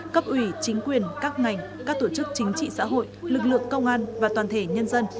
cấp ủy chính quyền các ngành các tổ chức chính trị xã hội lực lượng công an và toàn thể nhân dân